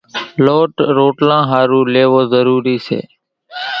لوٽ روٽلان ۿارُو ليوو ضروري سي۔